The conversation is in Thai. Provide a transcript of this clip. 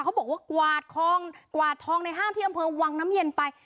เขาบอกว่ากวาดคลองกวาดทองในห้างที่อำเภอวังน้ำเย็นไป